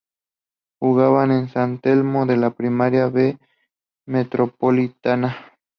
Jugaba en San Telmo de la Primera B Metropolitana.